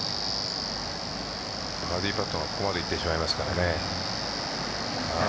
バーディーパットがここまでいってしまいますからね。